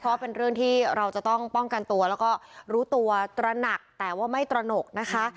เพราะเป็นเรื่องที่เราจะต้องป้องกันตัวแล้วก็รู้ตัวตระหนักแต่ว่าไม่ตระหนกนะคะ